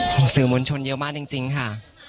ของสื่อมวลชนเยอะมากจริงจริงค่ะ